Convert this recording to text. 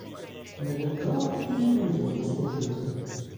Не віддала б її людям послужити?